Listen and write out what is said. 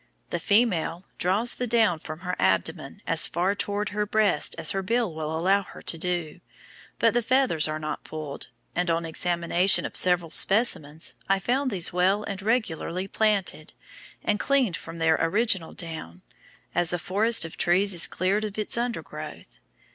The female draws the down from her abdomen as far toward her breast as her bill will allow her to do, but the feathers are not pulled, and on examination of several specimens, I found these well and regularly planted, and cleaned from their original down, as a forest of trees is cleared of its undergrowth.